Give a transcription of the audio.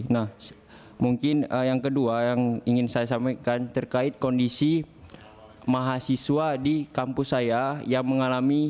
nah mungkin yang kedua yang ingin saya sampaikan terkait kondisi mahasiswa di kampus saya yang mengalami